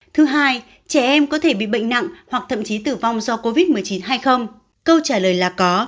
thứ hai trẻ em có thể bị bệnh nặng hoặc thậm chí tử vong do covid một mươi chín hay không câu trả lời là có